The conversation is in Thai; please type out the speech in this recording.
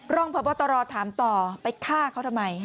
รองพบตรถามต่อไปฆ่าเขาทำไม